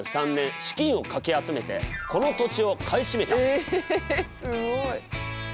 えすごい。